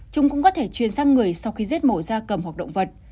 chúng cũng có thể truyền sang người sau khi giết mổ da cầm hoặc động vật